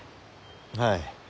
はい。